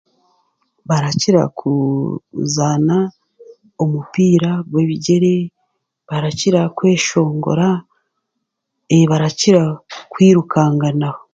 Barakira kuzaana omupiira gw'ebigyere barakira kweshongora ee barakira kwirukanganaho.